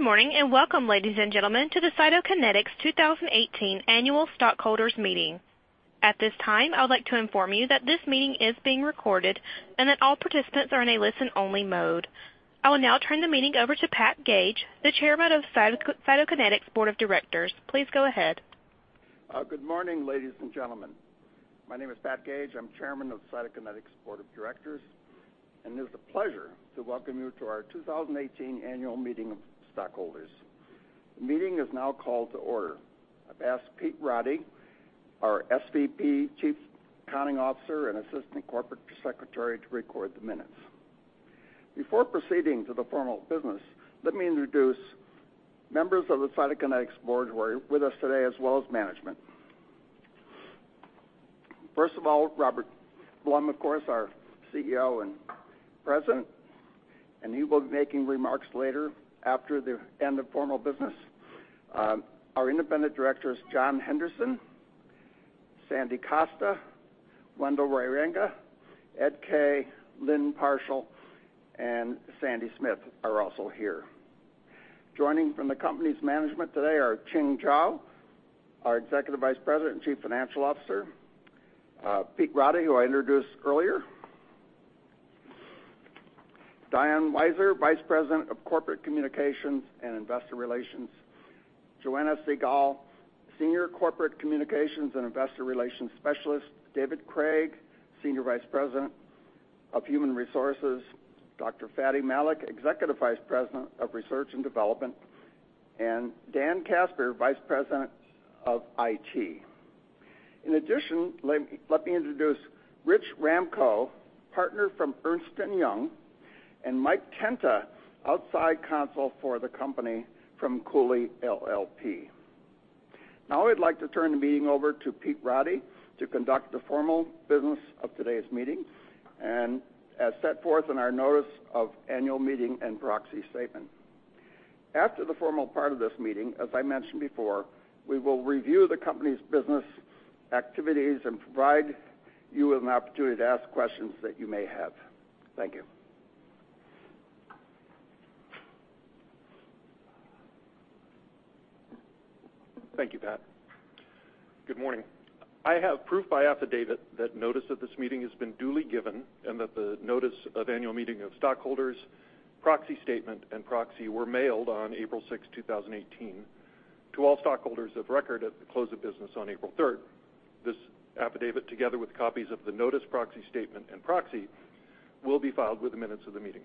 Good morning, welcome, ladies and gentlemen, to the Cytokinetics 2018 annual stockholders meeting. At this time, I would like to inform you that this meeting is being recorded and that all participants are in a listen-only mode. I will now turn the meeting over to Pat Gage, the Chairman of Cytokinetics' Board of Directors. Please go ahead. Good morning, ladies and gentlemen. My name is Pat Gage. I am Chairman of Cytokinetics' Board of Directors, it is a pleasure to welcome you to our 2018 annual meeting of stockholders. The meeting is now called to order. I have asked Pete Roddy, our SVP, Chief Accounting Officer, and Assistant Corporate Secretary, to record the minutes. Before proceeding to the formal business, let me introduce members of the Cytokinetics Board who are with us today, as well as management. First of all, Robert Blum, of course, our CEO and President, he will be making remarks later, after the end of formal business. Our independent directors, John Henderson, Sandy Costa, Wendell Wierenga, Ed Kaye, Lynne Parshall, and Sandy Smith are also here. Joining from the company's management today are Ching W. Jaw, our Executive Vice President and Chief Financial Officer. Pete Roddy, who I introduced earlier. Diane Weiser, Vice President of Corporate Communications and Investor Relations. Joanna Segal, Senior Corporate Communications and Investor Relations Specialist. Dave Cragg, Senior Vice President of Human Resources. Dr. Fady I. Malik, Executive Vice President of Research and Development, Dan Casper, Vice President of IT. In addition, let me introduce Rich Ramko, Partner from Ernst & Young, Mike Tenta, Outside Counsel for the company from Cooley LLP. I would like to turn the meeting over to Pete Roddy to conduct the formal business of today's meeting as set forth in our Notice of Annual Meeting and Proxy Statement. After the formal part of this meeting, as I mentioned before, we will review the company's business activities and provide you with an opportunity to ask questions that you may have. Thank you. Thank you, Pat. Good morning. I have proof by affidavit that notice of this meeting has been duly given and that the Notice of Annual Meeting of Stockholders, Proxy Statement, and Proxy were mailed on April 6, 2018, to all stockholders of record at the close of business on April 3. This affidavit, together with copies of the Notice, Proxy Statement, and Proxy, will be filed with the minutes of the meeting.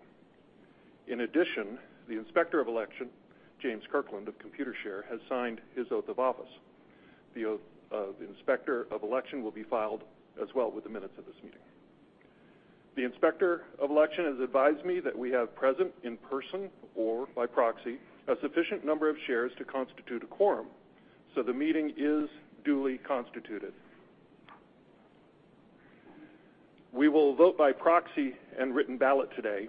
In addition, the Inspector of Election, James Kirkland of Computershare, has signed his oath of office. The oath of the Inspector of Election will be filed as well with the minutes of this meeting. The Inspector of Election has advised me that we have present in person or by proxy, a sufficient number of shares to constitute a quorum, the meeting is duly constituted. We will vote by proxy and written ballot today.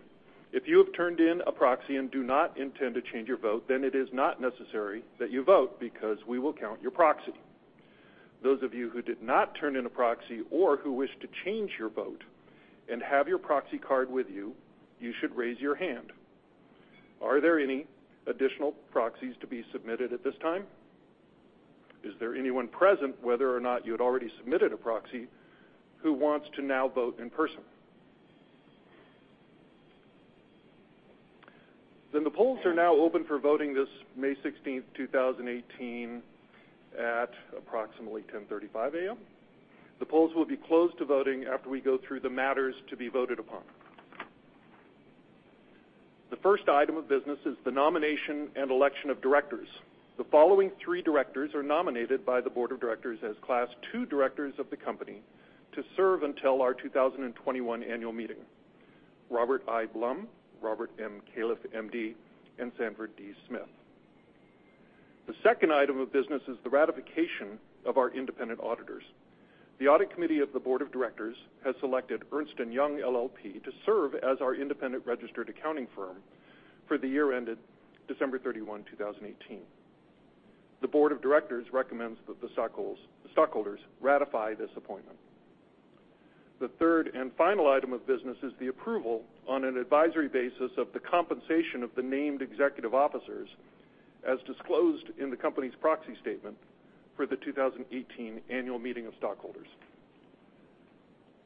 If you have turned in a proxy and do not intend to change your vote, it is not necessary that you vote because we will count your proxy. Those of you who did not turn in a proxy or who wish to change your vote and have your proxy card with you should raise your hand. Are there any additional proxies to be submitted at this time? Is there anyone present, whether or not you had already submitted a proxy, who wants to now vote in person? The polls are now open for voting this May 16, 2018, at approximately 10:35 A.M. The polls will be closed to voting after we go through the matters to be voted upon. The first item of business is the nomination and election of directors. The following three directors are nominated by the board of directors as Class II directors of the company to serve until our 2021 annual meeting. Robert I. Blum, Robert M. Califf, M.D., and Sanford D. Smith. The second item of business is the ratification of our independent auditors. The audit committee of the board of directors has selected Ernst & Young LLP to serve as our independent registered accounting firm for the year ended December 31, 2018. The board of directors recommends that the stockholders ratify this appointment. The third and final item of business is the approval on an advisory basis of the compensation of the named executive officers as disclosed in the company's proxy statement for the 2018 annual meeting of stockholders.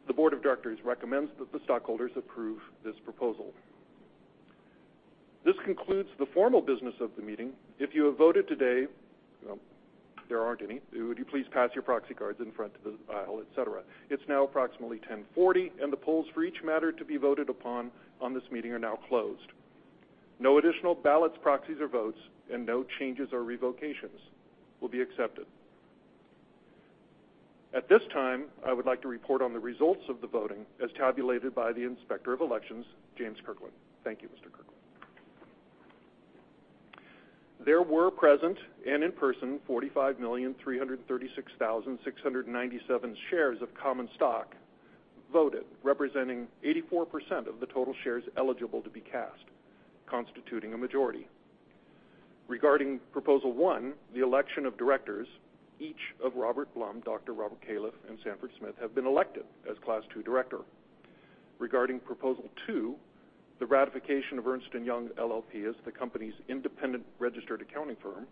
The board of directors recommends that the stockholders approve this proposal. This concludes the formal business of the meeting. If you have voted today, there aren't any. Would you please pass your proxy cards in front to the aisle, et cetera. It's now approximately 10:40, the polls for each matter to be voted upon on this meeting are now closed. No additional ballots, proxies, or votes, and no changes or revocations will be accepted. At this time, I would like to report on the results of the voting as tabulated by the Inspector of Elections, James Kirkland. Thank you, Mr. Kirkland. There were present and in person 45,336,697 shares of common stock voted, representing 84% of the total shares eligible to be cast, constituting a majority. Regarding Proposal 1, the election of directors, each of Robert Blum, Dr. Robert Califf, and Sanford Smith have been elected as Class II director. Regarding Proposal 2, the ratification of Ernst & Young LLP as the company's independent registered accounting firm.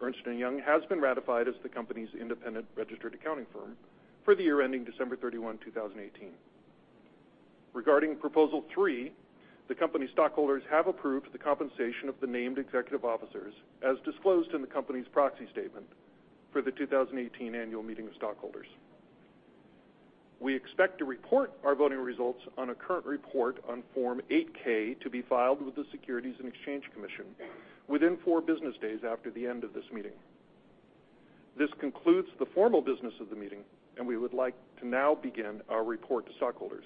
Ernst & Young has been ratified as the company's independent registered accounting firm for the year ending December 31, 2018. Regarding Proposal 3, the company stockholders have approved the compensation of the named executive officers as disclosed in the company's proxy statement for the 2018 annual meeting of stockholders. We expect to report our voting results on a current report on Form 8-K to be filed with the Securities and Exchange Commission within four business days after the end of this meeting. This concludes the formal business of the meeting, we would like to now begin our report to stockholders.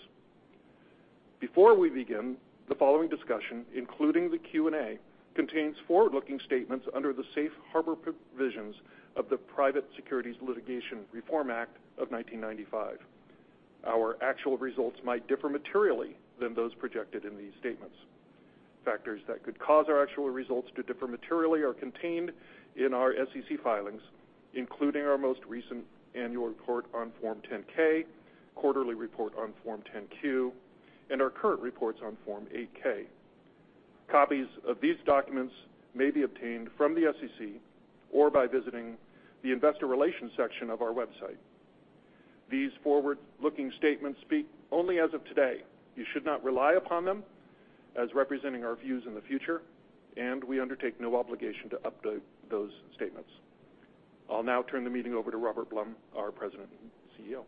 Before we begin, the following discussion, including the Q&A, contains forward-looking statements under the Safe Harbor provisions of the Private Securities Litigation Reform Act of 1995. Our actual results might differ materially than those projected in these statements. Factors that could cause our actual results to differ materially are contained in our SEC filings, including our most recent annual report on Form 10-K, quarterly report on Form 10-Q, and our current reports on Form 8-K. Copies of these documents may be obtained from the SEC or by visiting the investor relations section of our website. These forward-looking statements speak only as of today. You should not rely upon them as representing our views in the future, and we undertake no obligation to update those statements. I'll now turn the meeting over to Robert Blum, our President and CEO.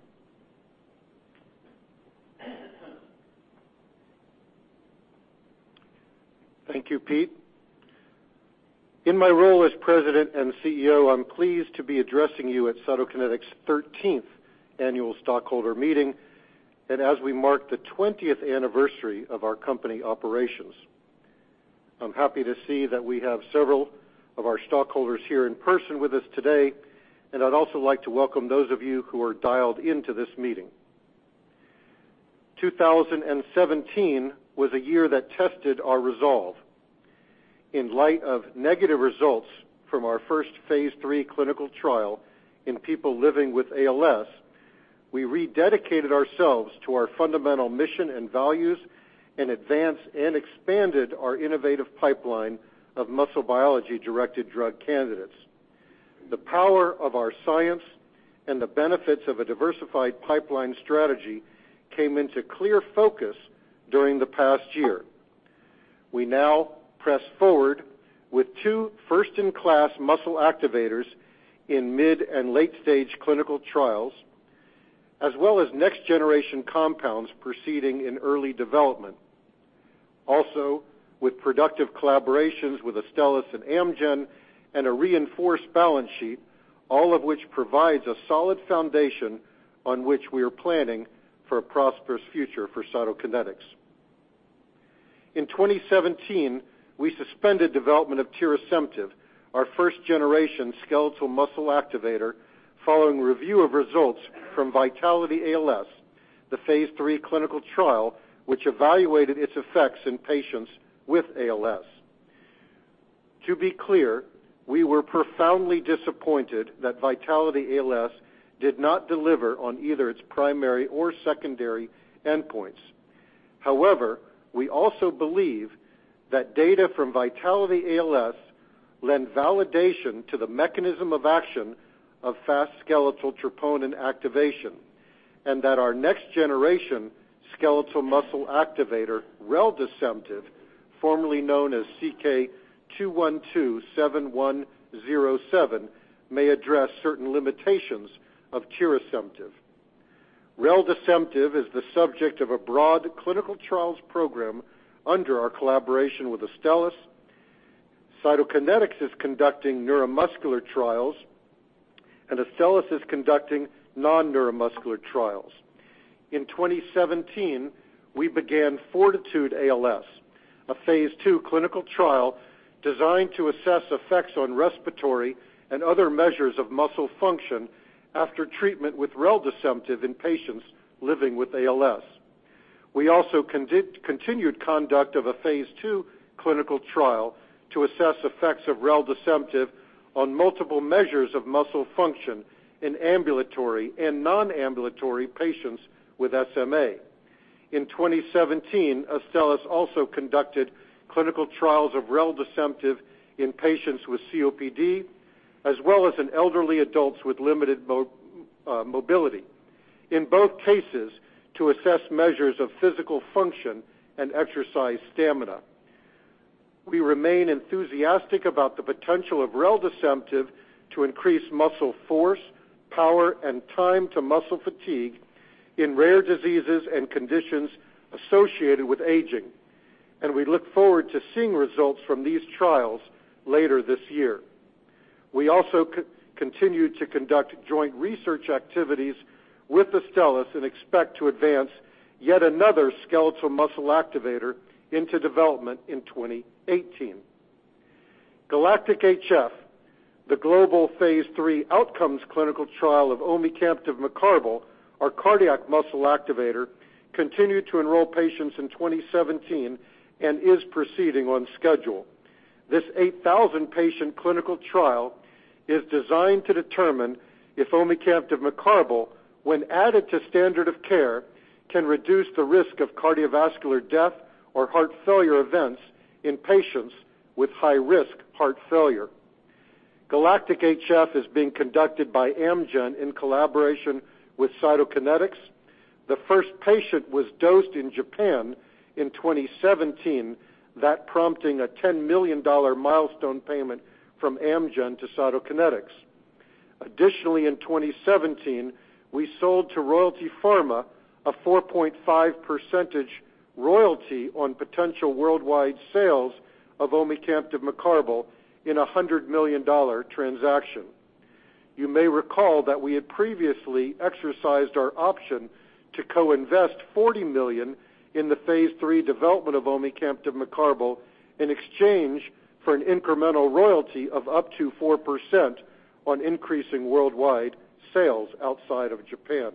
Thank you, Pete. In my role as President and CEO, I'm pleased to be addressing you at Cytokinetics' 13th annual stockholder meeting, and as we mark the 20th anniversary of our company operations. I'm happy to see that we have several of our stockholders here in person with us today, and I'd also like to welcome those of you who are dialed into this meeting. 2017 was a year that tested our resolve. In light of negative results from our first phase III clinical trial in people living with ALS, we rededicated ourselves to our fundamental mission and values and advanced and expanded our innovative pipeline of muscle biology-directed drug candidates. The power of our science and the benefits of a diversified pipeline strategy came into clear focus during the past year. We now press forward with two first-in-class muscle activators in mid and late-stage clinical trials, as well as next-generation compounds proceeding in early development. With productive collaborations with Astellas and Amgen and a reinforced balance sheet, all of which provides a solid foundation on which we are planning for a prosperous future for Cytokinetics. In 2017, we suspended development of tirasemtiv, our first-generation skeletal muscle activator, following review of results from VITALITY-ALS, the phase III clinical trial, which evaluated its effects in patients with ALS. To be clear, we were profoundly disappointed that VITALITY-ALS did not deliver on either its primary or secondary endpoints. We also believe that data from VITALITY-ALS lend validation to the mechanism of action of fast skeletal troponin activation and that our next-generation skeletal muscle activator, reldesemtiv, formerly known as CK-2127107, may address certain limitations of tirasemtiv. Reldesemtiv is the subject of a broad clinical trials program under our collaboration with Astellas. Cytokinetics is conducting neuromuscular trials, and Astellas is conducting non-neuromuscular trials. In 2017, we began FORTITUDE-ALS, a phase II clinical trial designed to assess effects on respiratory and other measures of muscle function after treatment with reldesemtiv in patients living with ALS. We also continued conduct of a phase II clinical trial to assess effects of reldesemtiv on multiple measures of muscle function in ambulatory and non-ambulatory patients with SMA. In 2017, Astellas also conducted clinical trials of reldesemtiv in patients with COPD, as well as in elderly adults with limited mobility. In both cases, to assess measures of physical function and exercise stamina. We remain enthusiastic about the potential of reldesemtiv to increase muscle force, power, and time to muscle fatigue in rare diseases and conditions associated with aging, and we look forward to seeing results from these trials later this year. We also continue to conduct joint research activities with Astellas and expect to advance yet another skeletal muscle activator into development in 2018. GALACTIC-HF, the global phase III outcomes clinical trial of omecamtiv mecarbil, our cardiac muscle activator, continued to enroll patients in 2017 and is proceeding on schedule. This 8,000-patient clinical trial is designed to determine if omecamtiv mecarbil, when added to standard of care, can reduce the risk of cardiovascular death or heart failure events in patients with high-risk heart failure. GALACTIC-HF is being conducted by Amgen in collaboration with Cytokinetics. The first patient was dosed in Japan in 2017, that prompting a $10 million milestone payment from Amgen to Cytokinetics. Additionally, in 2017, we sold to Royalty Pharma a 4.5% royalty on potential worldwide sales of omecamtiv mecarbil in a $100 million transaction. You may recall that we had previously exercised our option to co-invest $40 million in the phase III development of omecamtiv mecarbil in exchange for an incremental royalty of up to 4% on increasing worldwide sales outside of Japan.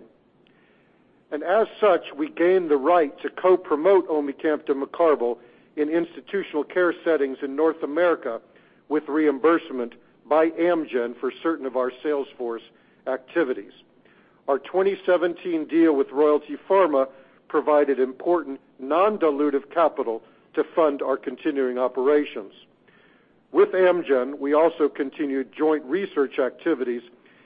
As such, we gained the right to co-promote omecamtiv mecarbil in institutional care settings in North America with reimbursement by Amgen for certain of our sales force activities. Our 2017 deal with Royalty Pharma provided important non-dilutive capital to fund our continuing operations. With Amgen, we also continued joint research activities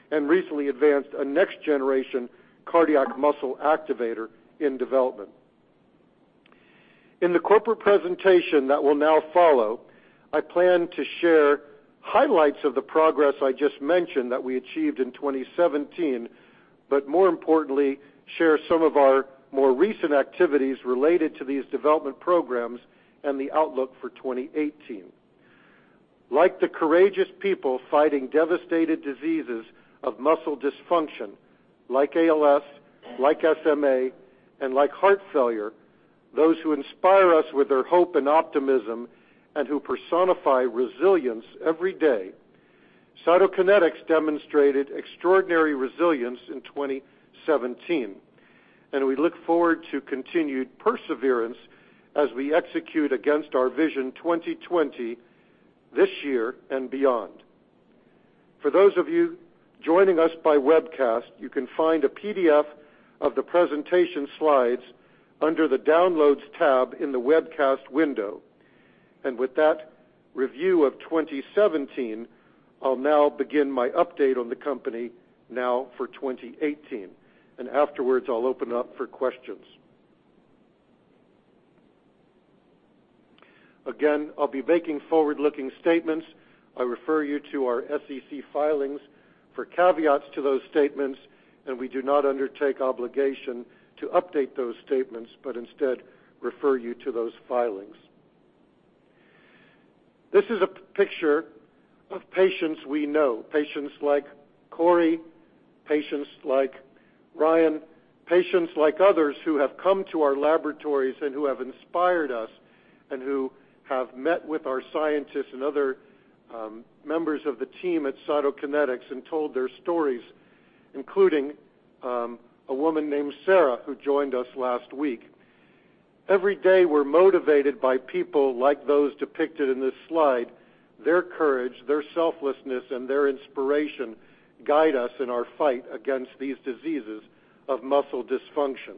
and recently advanced a next-generation cardiac muscle activator in development. In the corporate presentation that will now follow, I plan to share highlights of the progress I just mentioned that we achieved in 2017, but more importantly, share some of our more recent activities related to these development programs and the outlook for 2018. Like the courageous people fighting devastated diseases of muscle dysfunction, like ALS, like SMA, and like heart failure, those who inspire us with their hope and optimism and who personify resilience every day, Cytokinetics demonstrated extraordinary resilience in 2017. We look forward to continued perseverance as we execute against our Vision 2020 this year and beyond. For those of you joining us by webcast, you can find a PDF of the presentation slides under the Downloads tab in the webcast window. With that review of 2017, I'll now begin my update on the company now for 2018. Afterwards, I'll open up for questions. Again, I'll be making forward-looking statements. I refer you to our SEC filings for caveats to those statements, we do not undertake obligation to update those statements, instead refer you to those filings. This is a picture of patients we know, patients like Corey, patients like Ryan, patients like others who have come to our laboratories and who have inspired us and who have met with our scientists and other members of the team at Cytokinetics and told their stories, including a woman named Sarah, who joined us last week. Every day, we're motivated by people like those depicted in this slide. Their courage, their selflessness, and their inspiration guide us in our fight against these diseases of muscle dysfunction.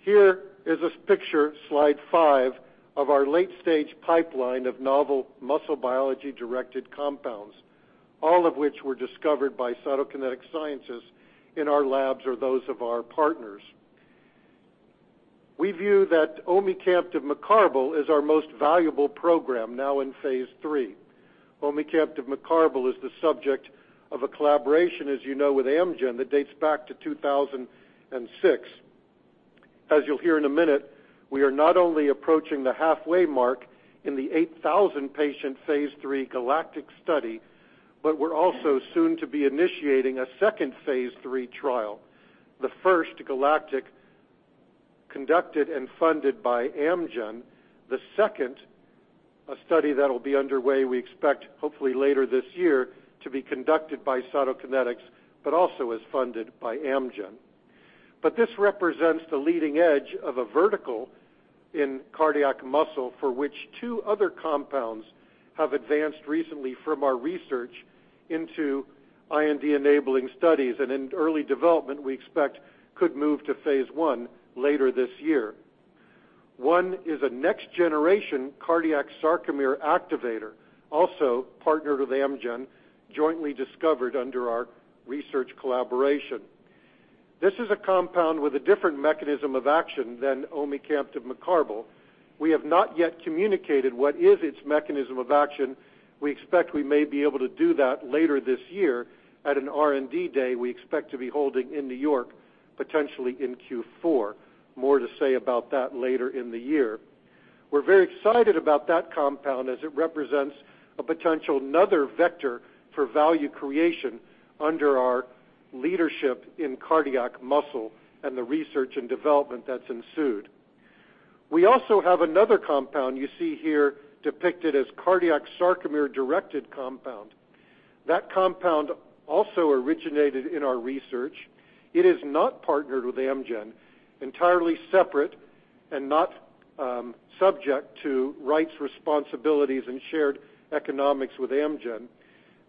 Here is a picture, slide five, of our late-stage pipeline of novel muscle biology-directed compounds, all of which were discovered by Cytokinetics scientists in our labs or those of our partners. We view that omecamtiv mecarbil is our most valuable program now in phase III. Omecamtiv mecarbil is the subject of a collaboration, as you know, with Amgen that dates back to 2006. As you'll hear in a minute, we are not only approaching the halfway mark in the 8,000-patient phase III GALACTIC study, but we're also soon to be initiating a second phase III trial. The first, GALACTIC, conducted and funded by Amgen. The second, a study that'll be underway, we expect, hopefully later this year, to be conducted by Cytokinetics, but also is funded by Amgen. But this represents the leading edge of a vertical in cardiac muscle for which two other compounds have advanced recently from our research into IND-enabling studies. And in early development, we expect could move to phase I later this year. One is a next-generation cardiac sarcomere activator, also partnered with Amgen, jointly discovered under our research collaboration. This is a compound with a different mechanism of action than omecamtiv mecarbil. We have not yet communicated what is its mechanism of action. We expect we may be able to do that later this year at an R&D day we expect to be holding in New York, potentially in Q4. More to say about that later in the year. We're very excited about that compound as it represents a potential another vector for value creation under our leadership in cardiac muscle and the research and development that's ensued. We also have another compound you see here depicted as cardiac sarcomere-directed compound. That compound also originated in our research. It is not partnered with Amgen, entirely separate and not subject to rights, responsibilities, and shared economics with Amgen.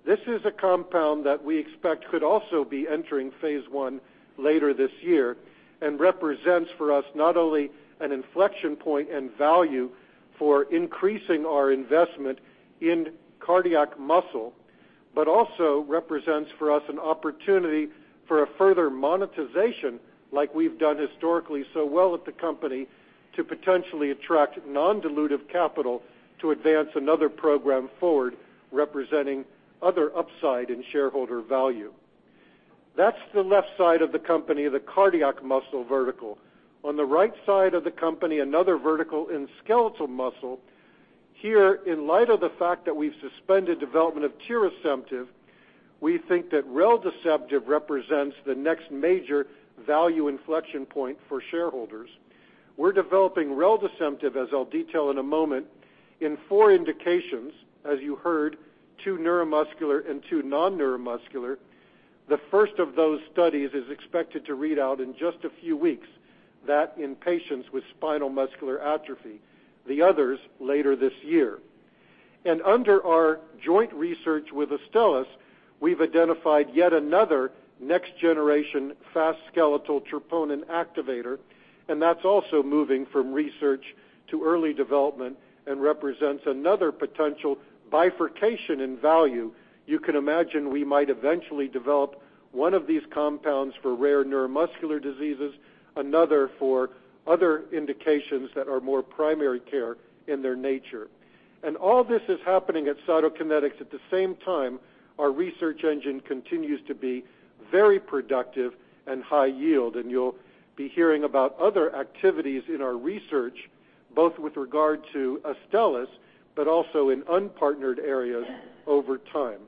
This is a compound that we expect could also be entering phase I later this year and represents for us not only an inflection point and value for increasing our investment in cardiac muscle, but also represents for us an opportunity for a further monetization like we've done historically so well at the company to potentially attract non-dilutive capital to advance another program forward, representing other upside in shareholder value. That's the left side of the company, the cardiac muscle vertical. On the right side of the company, another vertical in skeletal muscle. Here, in light of the fact that we've suspended development of tirasemtiv, we think that reldesemtiv represents the next major value inflection point for shareholders. We're developing reldesemtiv, as I'll detail in a moment, in four indications, as you heard, two neuromuscular and two non-neuromuscular. The first of those studies is expected to read out in just a few weeks, that in patients with spinal muscular atrophy, the others later this year. And under our joint research with Astellas, we've identified yet another next-generation fast skeletal troponin activator, and that's also moving from research to early development and represents another potential bifurcation in value. You can imagine we might eventually develop one of these compounds for rare neuromuscular diseases, another for other indications that are more primary care in their nature. And all this is happening at Cytokinetics. At the same time, our research engine continues to be very productive and high yield. You'll be hearing about other activities in our research, both with regard to Astellas but also in unpartnered areas over time.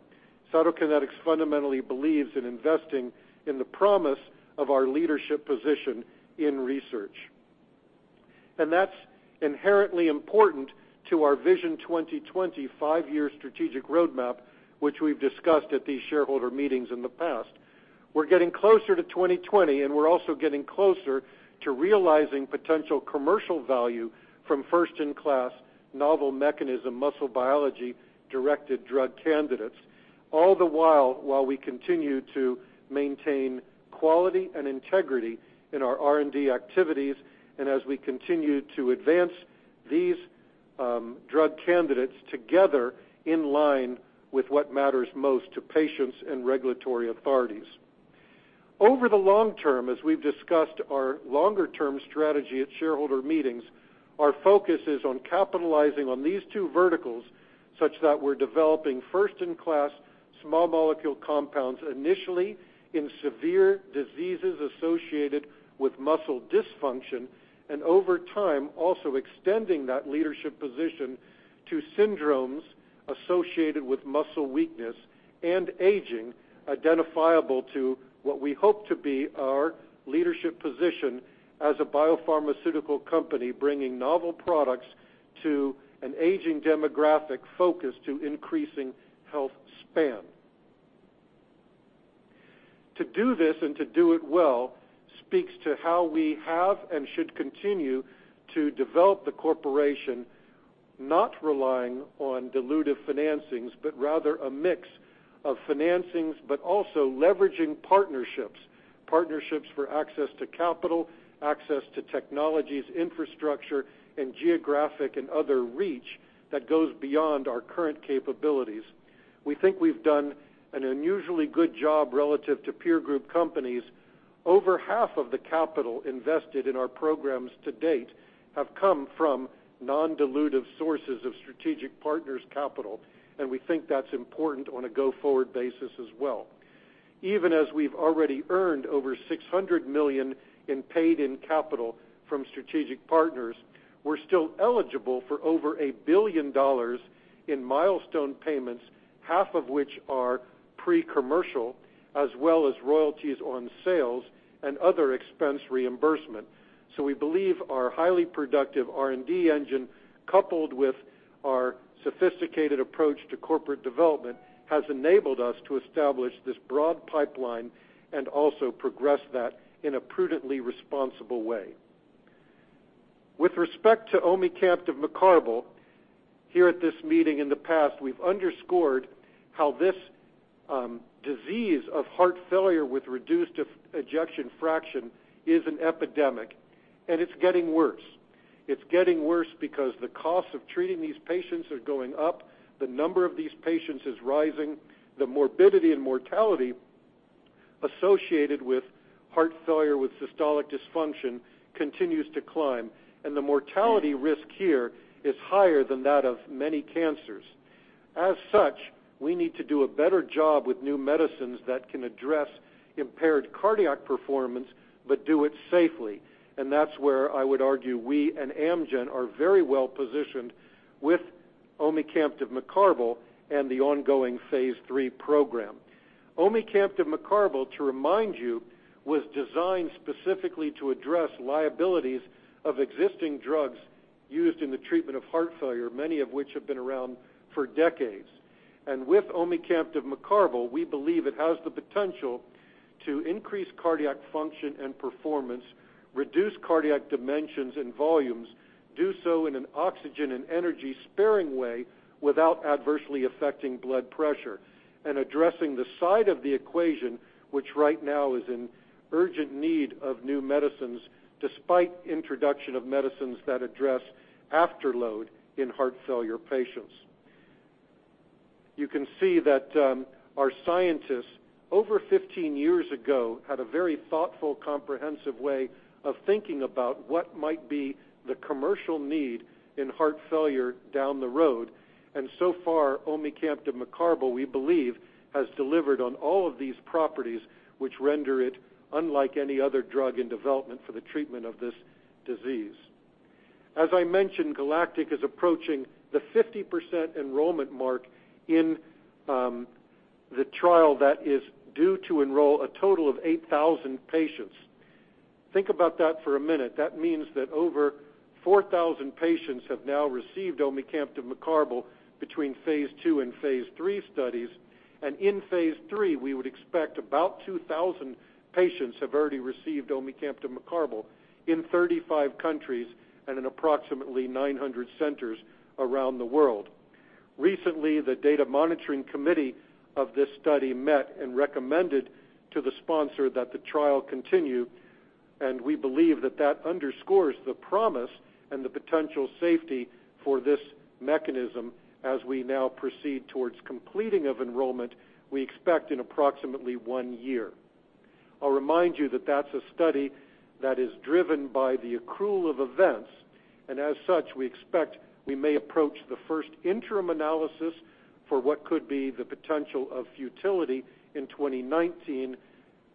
Cytokinetics fundamentally believes in investing in the promise of our leadership position in research. That's inherently important to our Vision 2020 five-year strategic roadmap, which we've discussed at these shareholder meetings in the past. We're getting closer to 2020, and we're also getting closer to realizing potential commercial value from first-in-class novel mechanism, muscle biology-directed drug candidates. All the while, we continue to maintain quality and integrity in our R&D activities and as we continue to advance these drug candidates together in line with what matters most to patients and regulatory authorities. Over the long term, as we've discussed our longer-term strategy at shareholder meetings, our focus is on capitalizing on these two verticals, such that we're developing first-in-class small molecule compounds initially in severe diseases associated with muscle dysfunction, and over time, also extending that leadership position to syndromes associated with muscle weakness and aging, identifiable to what we hope to be our leadership position as a biopharmaceutical company, bringing novel products to an aging demographic focused to increasing health span. To do this and to do it well speaks to how we have and should continue to develop the corporation, not relying on dilutive financings, but rather a mix of financings, but also leveraging partnerships. Partnerships for access to capital, access to technologies, infrastructure, and geographic and other reach that goes beyond our current capabilities. We think we've done an unusually good job relative to peer group companies. Over half of the capital invested in our programs to date have come from non-dilutive sources of strategic partners' capital. We think that's important on a go-forward basis as well. Even as we've already earned over $600 million in paid-in capital from strategic partners, we're still eligible for over $1 billion in milestone payments, half of which are pre-commercial, as well as royalties on sales and other expense reimbursement. We believe our highly productive R&D engine, coupled with our sophisticated approach to corporate development, has enabled us to establish this broad pipeline and also progress that in a prudently responsible way. With respect to omecamtiv mecarbil, here at this meeting in the past, we've underscored how this disease of heart failure with reduced ejection fraction is an epidemic. It's getting worse. It's getting worse because the cost of treating these patients is going up. The number of these patients is rising. The morbidity and mortality associated with heart failure with systolic dysfunction continues to climb. The mortality risk here is higher than that of many cancers. As such, we need to do a better job with new medicines that can address impaired cardiac performance but do it safely. That's where I would argue we and Amgen are very well-positioned with omecamtiv mecarbil and the ongoing phase III program. Omecamtiv mecarbil, to remind you, was designed specifically to address liabilities of existing drugs used in the treatment of heart failure, many of which have been around for decades. With omecamtiv mecarbil, we believe it has the potential to increase cardiac function and performance, reduce cardiac dimensions and volumes, do so in an oxygen and energy-sparing way without adversely affecting blood pressure, addressing the side of the equation, which right now is in urgent need of new medicines, despite introduction of medicines that address afterload in heart failure patients. You can see that our scientists, over 15 years ago, had a very thoughtful, comprehensive way of thinking about what might be the commercial need in heart failure down the road. So far, omecamtiv mecarbil, we believe, has delivered on all of these properties, which render it unlike any other drug in development for the treatment of this disease. As I mentioned, GALACTIC is approaching the 50% enrollment mark in the trial that is due to enroll a total of 8,000 patients. Think about that for a minute. That means that over 4,000 patients have now received omecamtiv mecarbil between phase II and phase III studies. In phase III, we would expect about 2,000 patients have already received omecamtiv mecarbil in 35 countries and in approximately 900 centers around the world. Recently, the data monitoring committee of this study met and recommended to the sponsor that the trial continue, we believe that that underscores the promise and the potential safety for this mechanism as we now proceed towards completing of enrollment we expect in approximately one year. I'll remind you that that's a study that is driven by the accrual of events, as such, we expect we may approach the first interim analysis for what could be the potential of futility in 2019.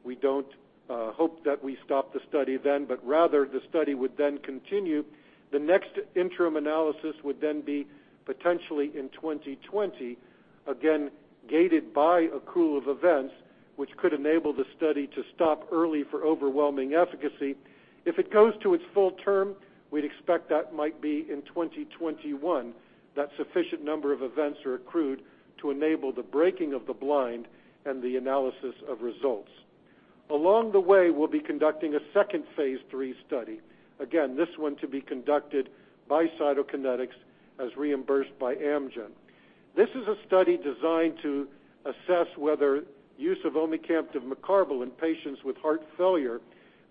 We don't hope that we stop the study then, but rather the study would then continue. The next interim analysis would then be potentially in 2020, again, gated by accrual of events, which could enable the study to stop early for overwhelming efficacy. If it goes to its full term, we'd expect that might be in 2021, that sufficient number of events are accrued to enable the breaking of the blind and the analysis of results. Along the way, we'll be conducting a second phase III study. Again, this one to be conducted by Cytokinetics as reimbursed by Amgen. This is a study designed to assess whether use of omecamtiv mecarbil in patients with heart failure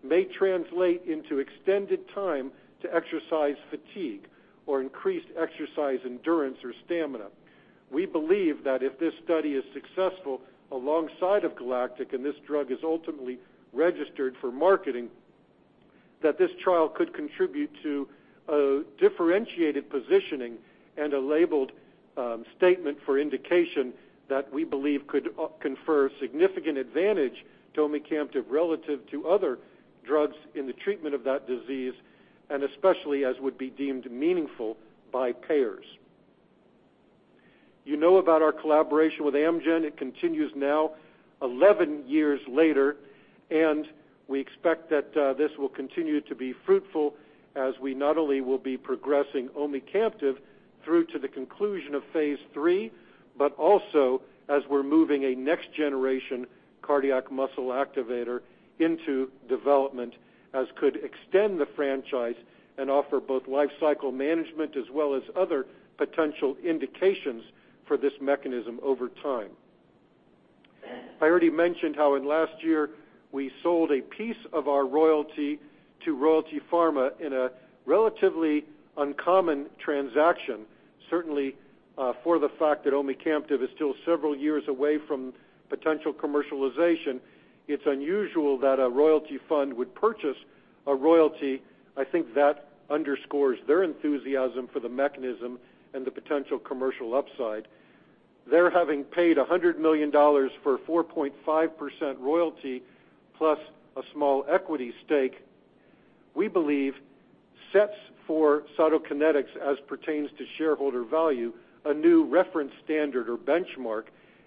may translate into extended time to exercise fatigue or increased exercise endurance or stamina. We believe that if this study is successful alongside of GALACTIC and this drug is ultimately registered for marketing, that this trial could contribute to a differentiated positioning and a labeled statement for indication that we believe could confer significant advantage to omecamtiv relative to other drugs in the treatment of that disease and especially as would be deemed meaningful by payers. You know about our collaboration with Amgen. It continues now 11 years later, we expect that this will continue to be fruitful as we not only will be progressing omecamtiv through to the conclusion of phase III, also as we're moving a next-generation cardiac muscle activator into development as could extend the franchise and offer both life cycle management as well as other potential indications for this mechanism over time. I already mentioned how in last year, we sold a piece of our royalty to Royalty Pharma in a relatively uncommon transaction, certainly for the fact that omecamtiv is still several years away from potential commercialization. It's unusual that a royalty fund would purchase a royalty. I think that underscores their enthusiasm for the mechanism and the potential commercial upside. Their having paid $100 million for 4.5% royalty plus a small equity stake, we believe sets for Cytokinetics as pertains to shareholder value, a new reference standard or benchmark,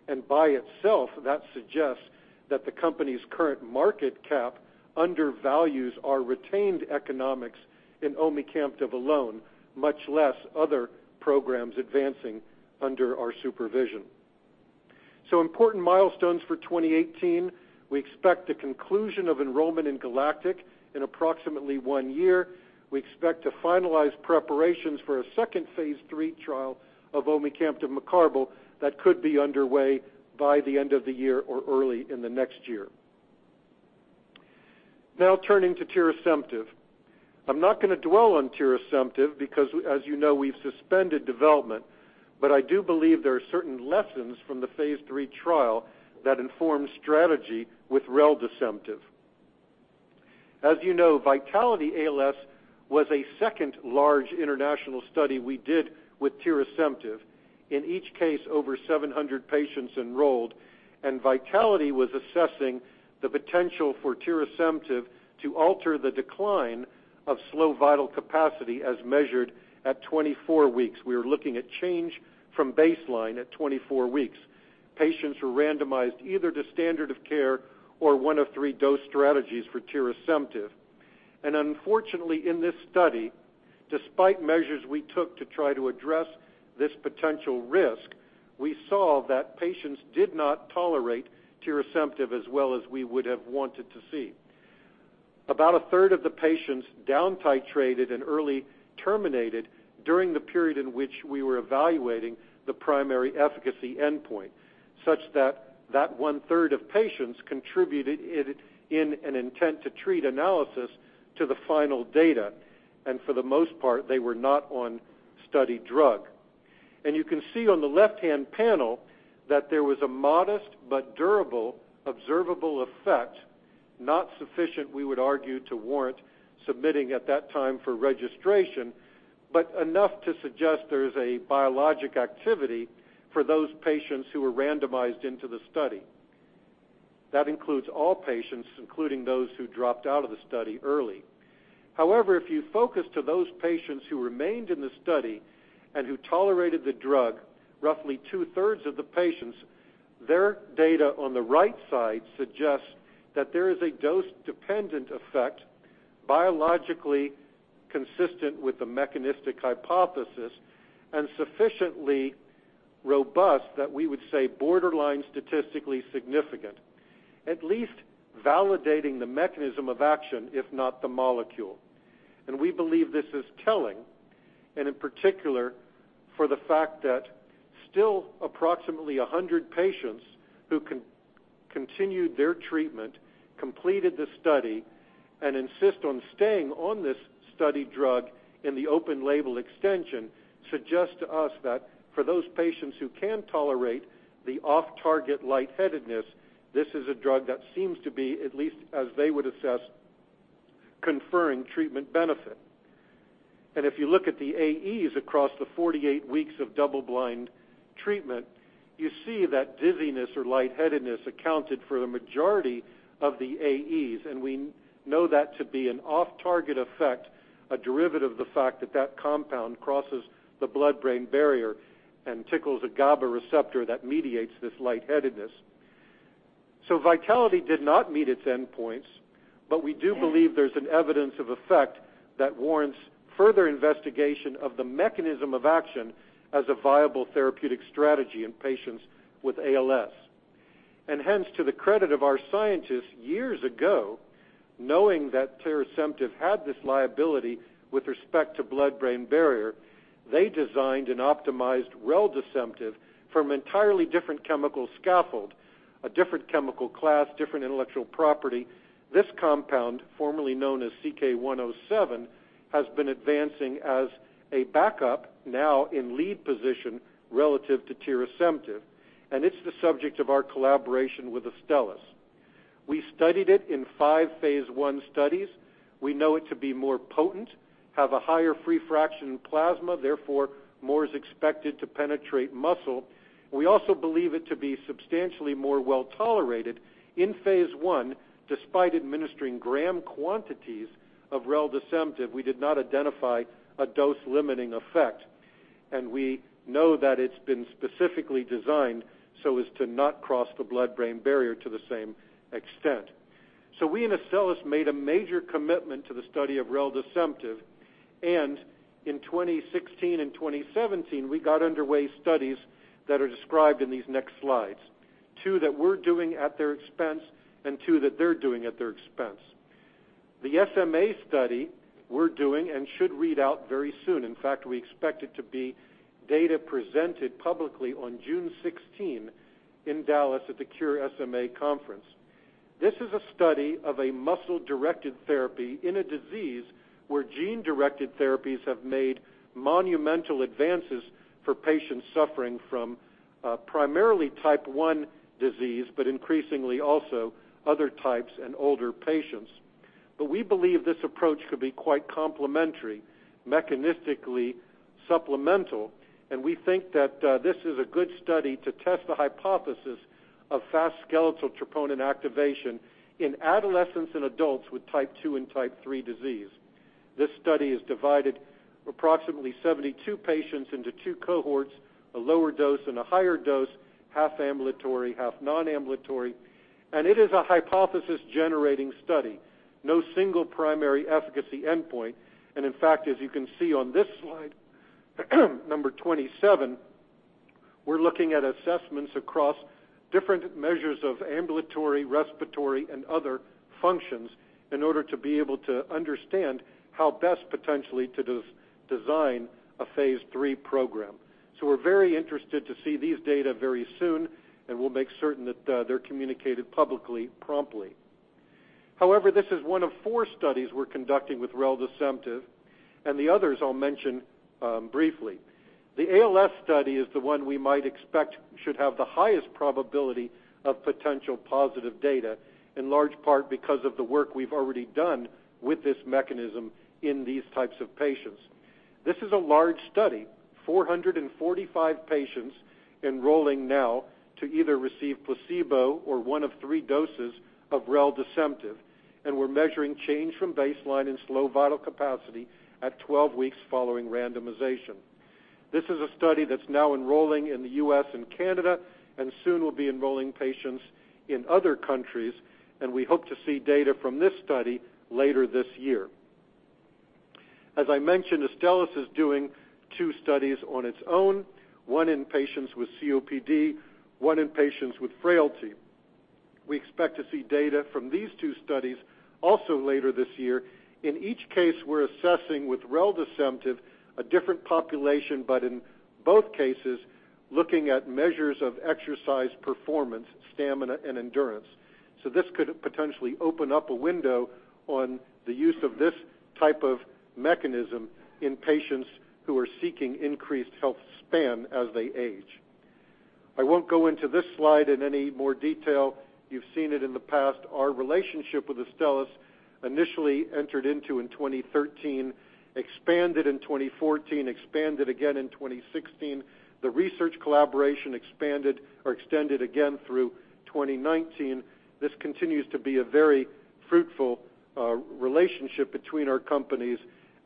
and by itself, that suggests that the company's current market cap undervalues our retained economics in omecamtiv alone, much less other programs advancing under our supervision. Important milestones for 2018. We expect the conclusion of enrollment in GALACTIC in approximately one year. We expect to finalize preparations for a second phase III trial of omecamtiv mecarbil that could be underway by the end of the year or early in the next year. Turning to tirasemtiv. I'm not going to dwell on tirasemtiv because, as you know, we've suspended development, but I do believe there are certain lessons from the phase III trial that inform strategy with reldesemtiv. As you know, VITALITY-ALS was a second large international study we did with tirasemtiv. In each case, over 700 patients enrolled, and VITALITY was assessing the potential for tirasemtiv to alter the decline of slow vital capacity as measured at 24 weeks. We were looking at change from baseline at 24 weeks. Patients were randomized either to standard of care or one of three dose strategies for tirasemtiv. Unfortunately, in this study, despite measures we took to try to address this potential risk, we saw that patients did not tolerate tirasemtiv as well as we would have wanted to see. About a third of the patients down-titrated and early terminated during the period in which we were evaluating the primary efficacy endpoint, such that that one-third of patients contributed in an intent-to-treat analysis to the final data, and for the most part, they were not on study drug. You can see on the left-hand panel that there was a modest but durable observable effect, not sufficient, we would argue, to warrant submitting at that time for registration, but enough to suggest there is a biologic activity for those patients who were randomized into the study. That includes all patients, including those who dropped out of the study early. However, if you focus to those patients who remained in the study and who tolerated the drug, roughly two-thirds of the patients, their data on the right side suggests that there is a dose-dependent effect biologically consistent with the mechanistic hypothesis and sufficiently robust that we would say borderline statistically significant, at least validating the mechanism of action, if not the molecule. We believe this is telling, and in particular, for the fact that still approximately 100 patients who continued their treatment, completed the study, and insist on staying on this study drug in the open label extension suggest to us that for those patients who can tolerate the off-target lightheadedness, this is a drug that seems to be, at least as they would assess, conferring treatment benefit. If you look at the AEs across the 48 weeks of double-blind treatment, you see that dizziness or lightheadedness accounted for the majority of the AEs, and we know that to be an off-target effect, a derivative of the fact that that compound crosses the blood-brain barrier and tickles a GABA receptor that mediates this lightheadedness. VITALITY-ALS did not meet its endpoints, but we do believe there's an evidence of effect that warrants further investigation of the mechanism of action as a viable therapeutic strategy in patients with ALS. Hence, to the credit of our scientists years ago, knowing that tirasemtiv had this liability with respect to blood-brain barrier, they designed and optimized reldesemtiv from entirely different chemical scaffold, a different chemical class, different intellectual property. This compound, formerly known as CK-107, has been advancing as a backup, now in lead position relative to tirasemtiv, and it's the subject of our collaboration with Astellas. We studied it in five phase I studies. We know it to be more potent, have a higher free fraction in plasma; therefore, more is expected to penetrate muscle. We also believe it to be substantially more well-tolerated. In phase I, despite administering gram quantities of reldesemtiv, we did not identify a dose-limiting effect, and we know that it's been specifically designed so as to not cross the blood-brain barrier to the same extent. We and Astellas made a major commitment to the study of reldesemtiv, and in 2016 and 2017, we got underway studies that are described in these next slides. Two that we're doing at their expense and two that they're doing at their expense. The SMA study we're doing and should read out very soon. In fact, we expect it to be data presented publicly on June 16 in Dallas at the Cure SMA conference. This is a study of a muscle-directed therapy in a disease where gene-directed therapies have made monumental advances for patients suffering from primarily type 1 disease, but increasingly also other types and older patients. We believe this approach could be quite complementary, mechanistically supplemental, and we think that this is a good study to test the hypothesis of fast skeletal troponin activation in adolescents and adults with type 2 and type 3 disease. This study has divided approximately 72 patients into two cohorts, a lower dose and a higher dose, half ambulatory, half non-ambulatory. It is a hypothesis-generating study. No single primary efficacy endpoint. In fact, as you can see on this slide, number 27, we're looking at assessments across different measures of ambulatory, respiratory, and other functions in order to be able to understand how best potentially to design a phase III program. We're very interested to see these data very soon, and we'll make certain that they're communicated publicly promptly. However, this is one of four studies we're conducting with reldesemtiv, and the others I'll mention briefly. The ALS study is the one we might expect should have the highest probability of potential positive data, in large part because of the work we've already done with this mechanism in these types of patients. This is a large study, 445 patients enrolling now to either receive placebo or one of three doses of reldesemtiv, and we're measuring change from baseline in slow vital capacity at 12 weeks following randomization. This is a study that's now enrolling in the U.S. and Canada, soon will be enrolling patients in other countries, we hope to see data from this study later this year. As I mentioned, Astellas is doing two studies on its own, one in patients with COPD, one in patients with frailty. We expect to see data from these two studies also later this year. In each case, we're assessing with reldesemtiv a different population, in both cases, looking at measures of exercise performance, stamina, and endurance. This could potentially open up a window on the use of this type of mechanism in patients who are seeking increased health span as they age. I won't go into this slide in any more detail. You've seen it in the past. Our relationship with Astellas initially entered into in 2013, expanded in 2014, expanded again in 2016. The research collaboration expanded or extended again through 2019. This continues to be a very fruitful relationship between our companies,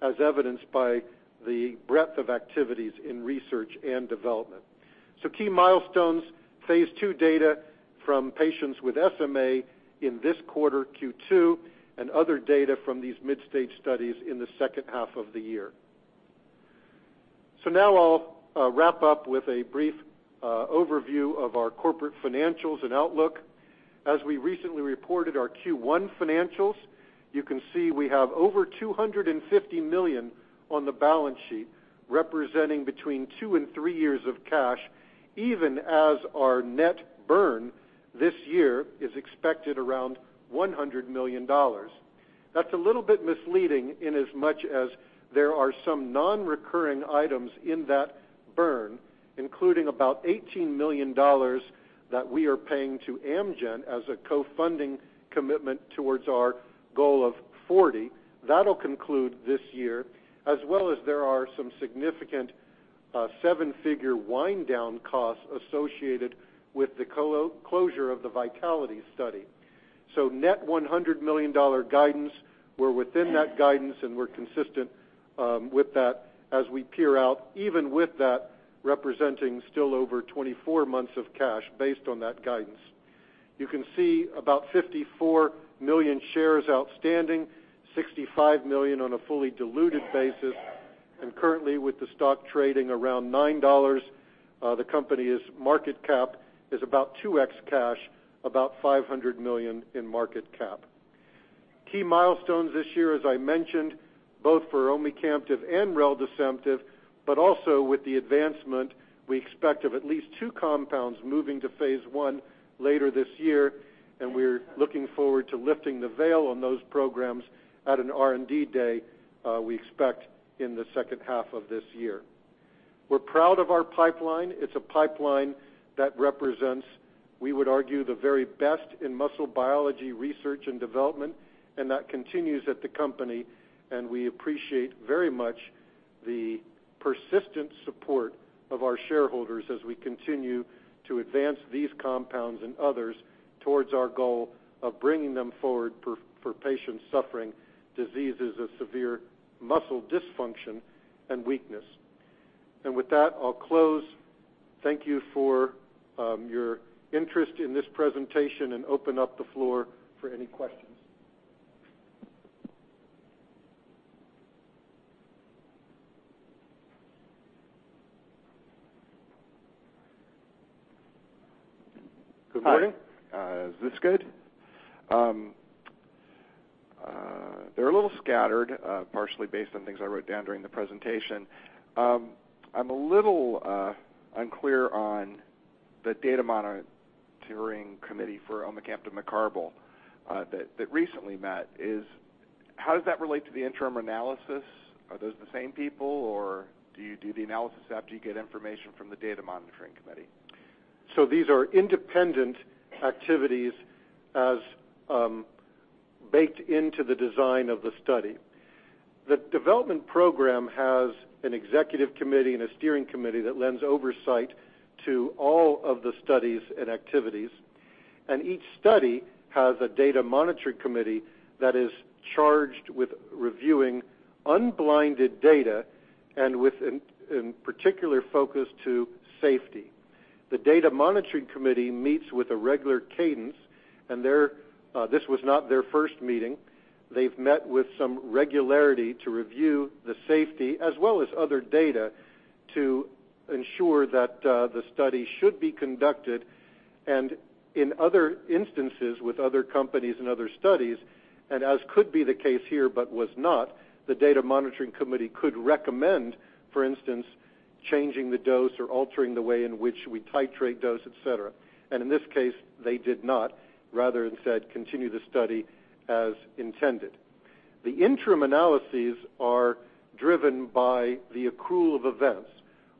as evidenced by the breadth of activities in R&D. Key milestones, phase II data from patients with SMA in this quarter, Q2, other data from these mid-stage studies in the second half of the year. Now I'll wrap up with a brief overview of our corporate financials and outlook. As we recently reported our Q1 financials, you can see we have over $250 million on the balance sheet, representing between two and three years of cash, even as our net burn this year is expected around $100 million. That's a little bit misleading in as much as there are some non-recurring items in that burn, including about $18 million that we are paying to Amgen as a co-funding commitment towards our goal of 40. That'll conclude this year, as well as there are some significant seven-figure wind-down costs associated with the closure of the VITALITY study. Net $100 million guidance, we're within that guidance, we're consistent with that as we peer out, even with that representing still over 24 months of cash based on that guidance. You can see about 54 million shares outstanding, 65 million on a fully diluted basis. Currently, with the stock trading around $9, the company's market cap is about 2x cash, about $500 million in market cap. Key milestones this year, as I mentioned, both for omecamtiv and reldesemtiv, also with the advancement we expect of at least two compounds moving to phase I later this year, we're looking forward to lifting the veil on those programs at an R&D day we expect in the second half of this year. We're proud of our pipeline. It's a pipeline that represents, we would argue, the very best in muscle biology, R&D, that continues at the company, we appreciate very much the persistent support of our shareholders as we continue to advance these compounds and others towards our goal of bringing them forward for patients suffering diseases of severe muscle dysfunction and weakness. With that, I'll close. Thank you for your interest in this presentation, open up the floor for any questions. Good morning. Is this good? They're a little scattered, partially based on things I wrote down during the presentation. I'm a little unclear on the data monitoring committee for omecamtiv mecarbil that recently met. How does that relate to the interim analysis? Are those the same people, or do you do the analysis after you get information from the data monitoring committee? These are independent activities as baked into the design of the study. The development program has an executive committee and a steering committee that lends oversight to all of the studies and activities. Each study has a data monitoring committee that is charged with reviewing unblinded data and with a particular focus to safety. The data monitoring committee meets with a regular cadence, and this was not their first meeting. They've met with some regularity to review the safety as well as other data to ensure that the study should be conducted. In other instances, with other companies and other studies, and as could be the case here but was not, the data monitoring committee could recommend, for instance, changing the dose or altering the way in which we titrate dose, et cetera. In this case, they did not. Rather, instead, continue the study as intended. The interim analyses are driven by the accrual of events.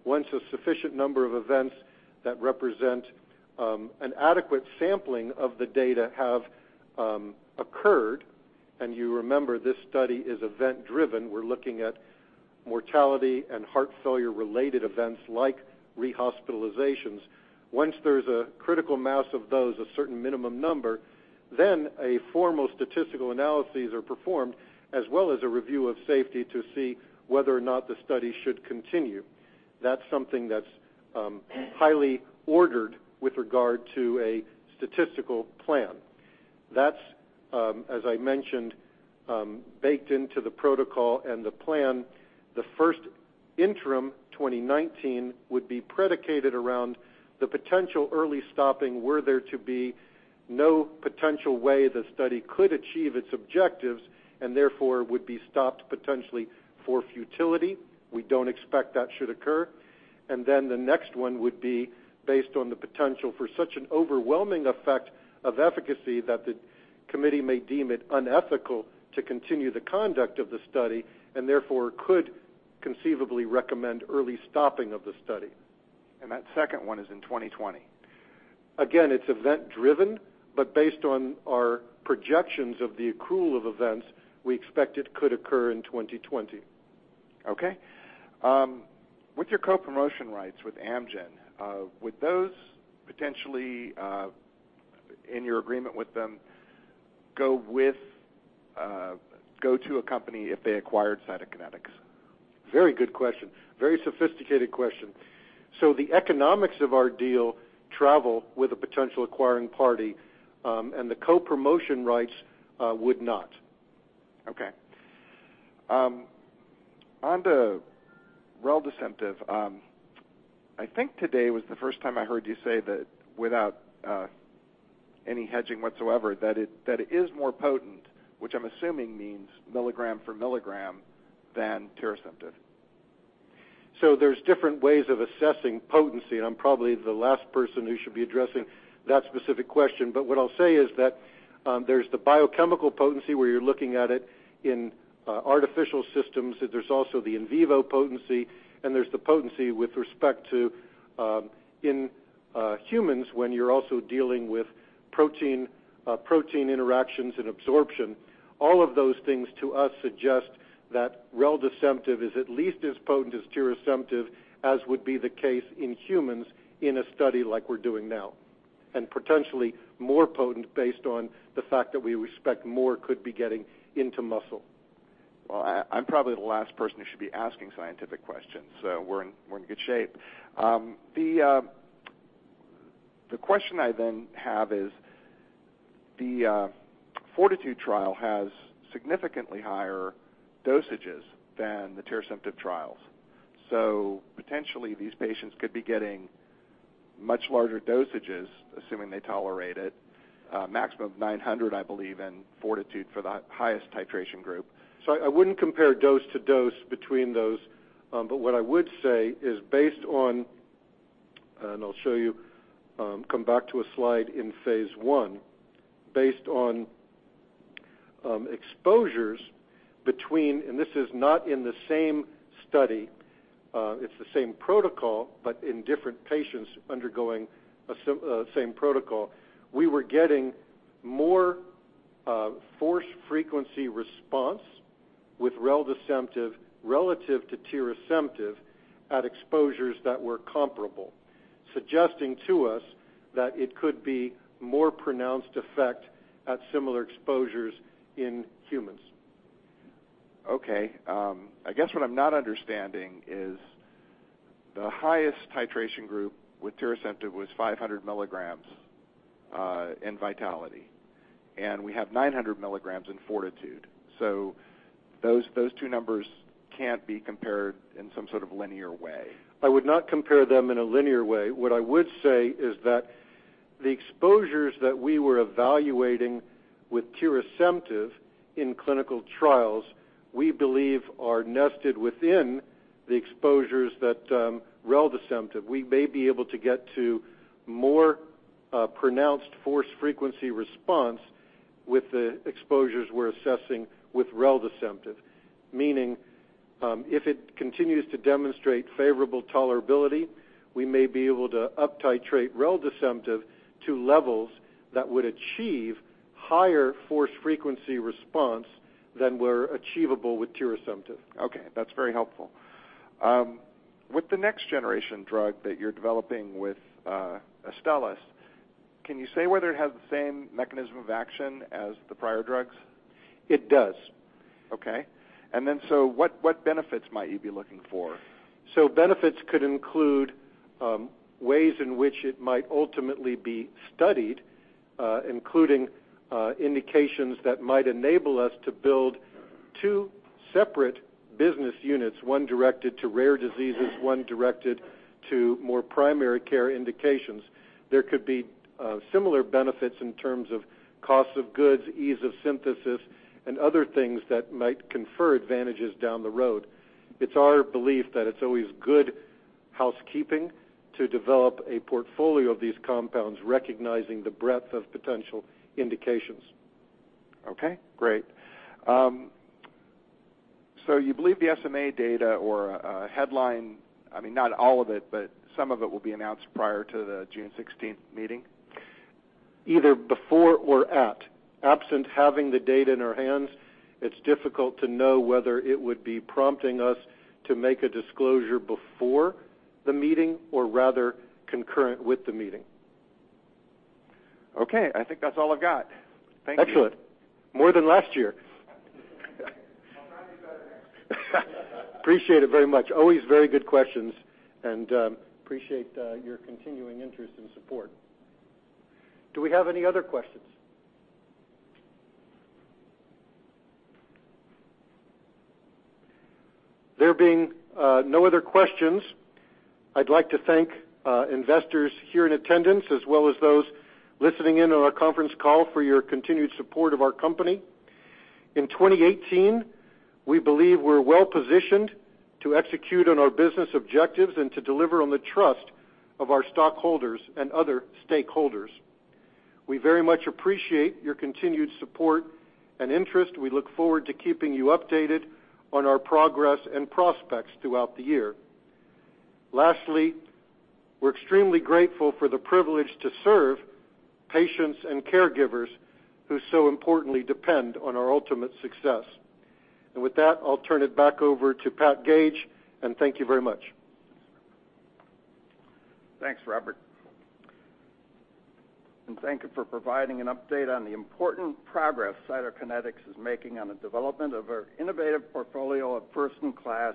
Once a sufficient number of events that represent an adequate sampling of the data have occurred, you remember, this study is event-driven. We're looking at mortality and heart failure-related events like rehospitalizations. Once there's a critical mass of those, a formal statistical analyses are performed, as well as a review of safety to see whether or not the study should continue. That's something that's highly ordered with regard to a statistical plan. That's, as I mentioned, baked into the protocol and the plan. The first interim 2019 would be predicated around the potential early stopping were there to be no potential way the study could achieve its objectives, therefore would be stopped potentially for futility. We don't expect that should occur. The next one would be based on the potential for such an overwhelming effect of efficacy that the committee may deem it unethical to continue the conduct of the study, therefore could conceivably recommend early stopping of the study. That second one is in 2020. Again, it's event driven, but based on our projections of the accrual of events, we expect it could occur in 2020. Okay. With your co-promotion rights with Amgen, would those potentially, in your agreement with them, go to a company if they acquired Cytokinetics? Very good question. Very sophisticated question. The economics of our deal travel with a potential acquiring party, and the co-promotion rights would not. Okay. On to reldesemtiv. I think today was the first time I heard you say that without any hedging whatsoever, that it is more potent, which I'm assuming means milligram for milligram, than tirasemtiv. There's different ways of assessing potency, and I'm probably the last person who should be addressing that specific question. What I'll say is that there's the biochemical potency where you're looking at it in artificial systems. There's also the in vivo potency and there's the potency with respect to in humans when you're also dealing with protein interactions and absorption. All of those things, to us, suggest that reldesemtiv is at least as potent as tirasemtiv as would be the case in humans in a study like we're doing now, and potentially more potent based on the fact that we expect more could be getting into muscle. Well, I'm probably the last person who should be asking scientific questions, so we're in good shape. The question I then have is, the FORTITUDE trial has significantly higher dosages than the tirasemtiv trials. Potentially, these patients could be getting much larger dosages, assuming they tolerate it. A maximum of 900, I believe, in FORTITUDE for the highest titration group. I wouldn't compare dose-to-dose between those. What I would say is based on, and I'll show you, come back to a slide in phase I. Based on exposures between, and this is not in the same study, it's the same protocol, but in different patients undergoing the same protocol. We were getting more force frequency response with reldesemtiv relative to tirasemtiv at exposures that were comparable, suggesting to us that it could be more pronounced effect at similar exposures in humans. Okay. I guess what I'm not understanding is the highest titration group with tirasemtiv was 500 milligrams in VITALITY, and we have 900 milligrams in FORTITUDE. Those two numbers can't be compared in some sort of linear way. I would not compare them in a linear way. What I would say is that the exposures that we were evaluating with tirasemtiv in clinical trials, we believe are nested within the exposures that reldesemtiv. We may be able to get to more pronounced force frequency response with the exposures we're assessing with reldesemtiv. Meaning, if it continues to demonstrate favorable tolerability, we may be able to uptitrate reldesemtiv to levels that would achieve higher force frequency response than were achievable with tirasemtiv. Okay, that's very helpful. With the next generation drug that you're developing with Astellas, can you say whether it has the same mechanism of action as the prior drugs? It does. Okay. What benefits might you be looking for? Benefits could include ways in which it might ultimately be studied, including indications that might enable us to build 2 separate business units, one directed to rare diseases, one directed to more primary care indications. There could be similar benefits in terms of cost of goods, ease of synthesis, and other things that might confer advantages down the road. It's our belief that it's always good housekeeping to develop a portfolio of these compounds recognizing the breadth of potential indications. Okay, great. You believe the SMA data or headline, I mean, not all of it, but some of it will be announced prior to the June 16th meeting? Either before or at. Absent having the data in our hands, it's difficult to know whether it would be prompting us to make a disclosure before the meeting or rather concurrent with the meeting. Okay. I think that's all I've got. Thank you. Excellent. More than last year. I'll try to do better next time. Appreciate it very much. Always very good questions. Appreciate your continuing interest and support. Do we have any other questions? There being no other questions, I'd like to thank investors here in attendance, as well as those listening in on our conference call for your continued support of our company. In 2018, we believe we're well-positioned to execute on our business objectives and to deliver on the trust of our stockholders and other stakeholders. We very much appreciate your continued support and interest. We look forward to keeping you updated on our progress and prospects throughout the year. Lastly, we're extremely grateful for the privilege to serve patients and caregivers who so importantly depend on our ultimate success. With that, I'll turn it back over to Pat Gage. Thank you very much. Thanks, Robert. Thank you for providing an update on the important progress Cytokinetics is making on the development of our innovative portfolio of first-in-class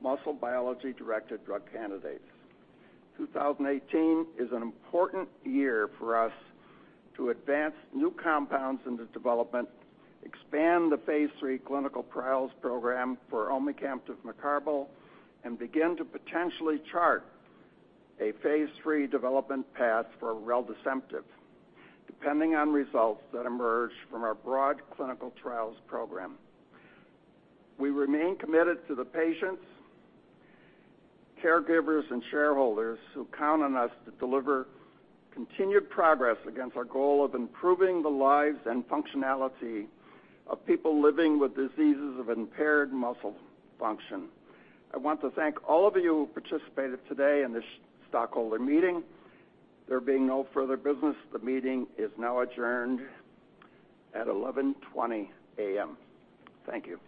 muscle biology-directed drug candidates. 2018 is an important year for us to advance new compounds into development, expand the phase III clinical trials program for omecamtiv mecarbil, and begin to potentially chart a phase III development path for reldesemtiv, depending on results that emerge from our broad clinical trials program. We remain committed to the patients, caregivers, and shareholders who count on us to deliver continued progress against our goal of improving the lives and functionality of people living with diseases of impaired muscle function. I want to thank all of you who participated today in this stockholder meeting. There being no further business, the meeting is now adjourned at 11:20 A.M. Thank you.